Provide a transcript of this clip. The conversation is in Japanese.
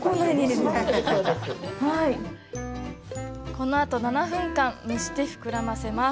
このあと７分間、蒸して膨らませます。